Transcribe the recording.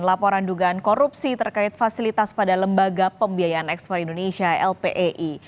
laporan dugaan korupsi terkait fasilitas pada lembaga pembiayaan ekspor indonesia lpei